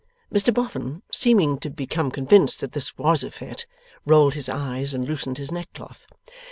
Mr Boffin, seeming to become convinced that this was a fit, rolled his eyes and loosened his neckcloth.